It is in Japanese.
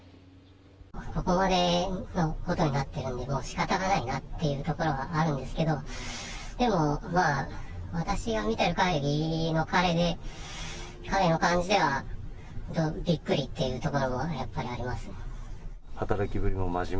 ここまでのことになってるんで、もうしかたがないなっていうところはあるんですけど、でも私が見てるかぎりの彼の感じでは、びっくりっていうところもやっぱりあります。